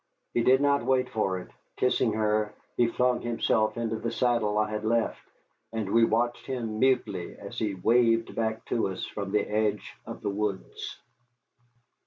He did not wait for it. Kissing her, he flung himself into the saddle I had left, and we watched him mutely as he waved back to us from the edge of the woods.